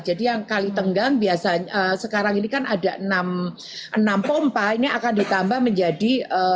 jadi yang kali tenggang biasanya sekarang ini kan ada enam pompa ini akan ditambah menjadi dua belas